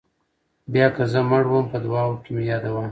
بیا که زه مړ وم په دعاوو کې مې یادوه.